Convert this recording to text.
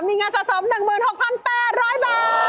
มีเงินสะสม๑๖๘๐๐บาท